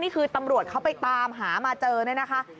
นี่คือตำรวจเขาไปตามหามาเจอนะครับ